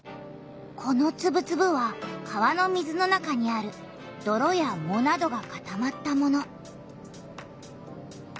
このつぶつぶは川の水の中にあるどろやもなどがかたまったもの。